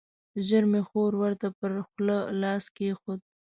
ژر مې خور ورته پر خوله لاس کېښود.